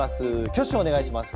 挙手をお願いします。